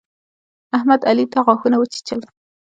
احمد، علي ته غاښونه وچيچل.